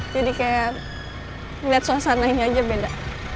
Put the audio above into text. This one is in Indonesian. jadi kayak ngeliat suasananya aja beda